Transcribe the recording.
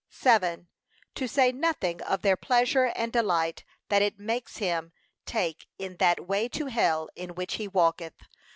To say nothing of their pleasure and delight that it makes him take in that way to hell in which he walketh.